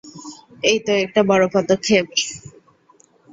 এইতো, একটা বড় পদক্ষেপ।